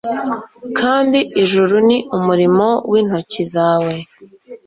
kandi ijuru ni umurimo w intoki zawe